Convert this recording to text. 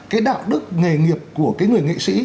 cái đạo đức nghề nghiệp của cái người nghệ sĩ